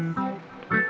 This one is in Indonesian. aduh aku bisa